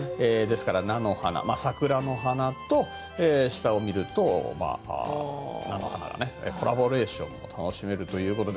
桜の花と下を見ると菜の花のコラボレーションも楽しめるということで。